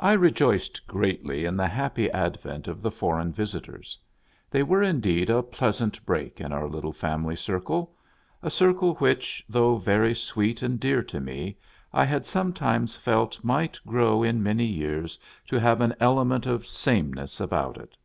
REJOICED greatly in the happy advent of the foreign visitors. They were indeed a pleasant break in our little fami ly circle ; a circle which, though very sweet and dear to me, I had some times felt might grow in many years to have an element of sameness about it.